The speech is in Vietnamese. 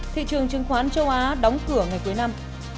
thị trường chứng khoán châu á đóng cửa ngày cuối năm